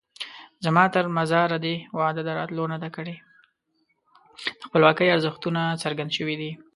د خپلواکۍ ارزښتونه څرګند شوي دي.